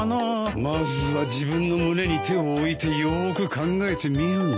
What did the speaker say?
まずは自分の胸に手を置いてよーく考えてみるんだ。